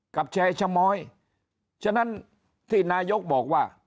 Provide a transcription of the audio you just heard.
กับแชร์ชะม้อยฉะนั้นที่นายกบอกว่า